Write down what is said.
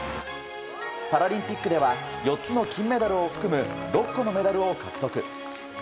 パラリンピックでは４つの金メダルを含む６個のメダルを獲得。